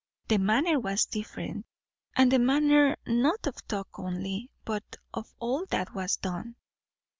The manner was different; and the manner not of talk only, but of all that was done.